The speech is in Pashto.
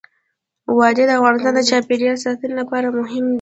وادي د افغانستان د چاپیریال ساتنې لپاره مهم دي.